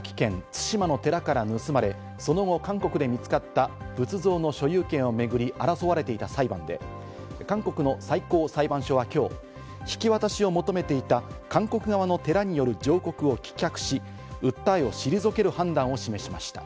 対馬の寺から盗まれ、その後、韓国で見つかった仏像の所有権を巡り争われていた裁判で、韓国の最高裁判所はきょう引き渡しを求めていた韓国側の寺による上告を棄却し、訴えを退ける判断を示しました。